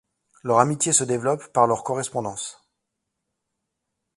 Leur amitié se développe par leur correspondance.